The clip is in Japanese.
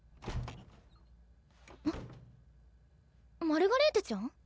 マルガレーテちゃん？